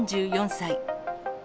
３４歳。